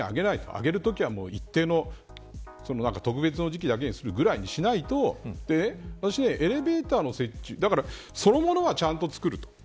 上げるときは一定の特別な時期だけにするぐらいにしないと私、エレベーターの設置だからそのものはちゃんと造ると。